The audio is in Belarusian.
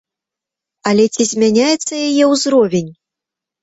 Але ці змяняецца яе ўзровень?